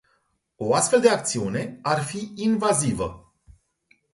O astfel de acțiune ar fi invazivă.